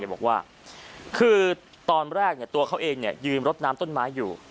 บอกว่าคือตอนแรกตัวเขาเองยืนรดน้ำต้นไม้อยู่